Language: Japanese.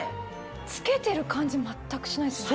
着けてる感じ全くしないですね。